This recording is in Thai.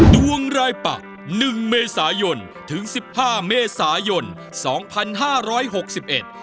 ดวงรายปักหนึ่งเมษายนถึงสิบห้าเมษายนสองพันห้าร้อยหกสิบเอ็ด